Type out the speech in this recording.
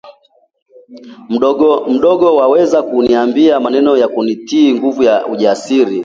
mdogo waliweza kuniambia maneno ya kunitia nguvu na ujasiri